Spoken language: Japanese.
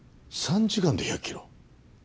３時間で１００キロ？